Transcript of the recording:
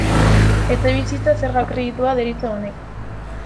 Etxebizitza Zerga Kreditua deritzo honek.